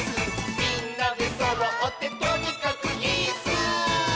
「みんなでそろってとにかくイス！」